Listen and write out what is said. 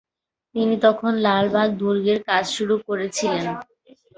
তিনি তখন লালবাগ দুর্গের কাজ শুরু করেছিলেন।